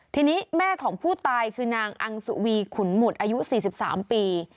ทีนี้แม่ของผู้ตายคือนางอังสุวีขุนหมุดอายุ๔๓ปี